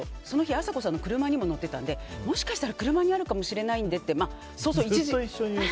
あさこさんの車にも乗ってたのでもしかしたら車にあるかもしれないのでって。